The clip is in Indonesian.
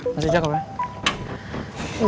masih cakep ya